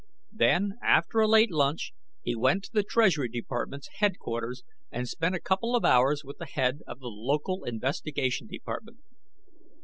Then, after a late lunch, he went to the Treasury Department's headquarters and spent a couple of hours with the head of the local investigation department.